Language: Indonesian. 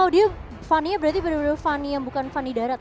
wow dia funny nya berarti bener bener funny yang bukan funny darat